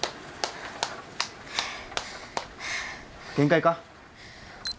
限界か？